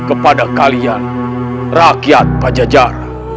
kepada kalian rakyat pajajara